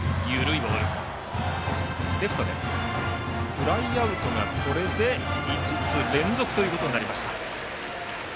フライアウトがこれで５つ連続となりました。